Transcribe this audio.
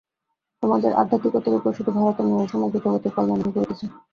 তোমাদের আধ্যাত্মিকতার উপর শুধু ভারতের নহে, সমগ্র জগতের কল্যাণ নির্ভর করিতেছে।